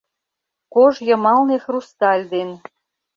Кож йымалне хрусталь ден